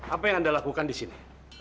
apa yang anda lakukan di sini